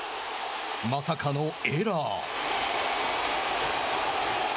まさかのエラー。